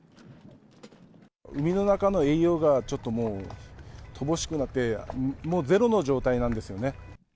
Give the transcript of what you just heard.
海の中の栄養が、ちょっともう、乏しくなって、もうゼロの状態なんですよね。